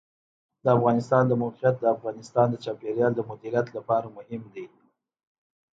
د افغانستان د موقعیت د افغانستان د چاپیریال د مدیریت لپاره مهم دي.